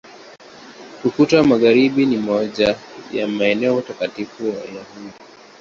Ukuta wa Magharibi ni moja ya maeneo takatifu Wayahudi.